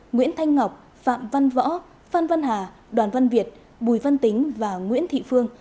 nguyễn thanh ngọc phạm văn võ phan văn hà đoàn văn việt bùi văn tính và nguyễn thị phương